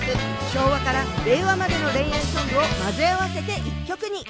昭和から令和までの恋愛ソングを混ぜ合わせて一曲に！